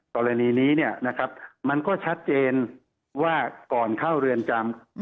กรณีนี้มันก็ชัดเจนว่าก่อนเข้าเรือนจำ